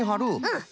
うん。